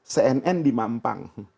cnn di mampang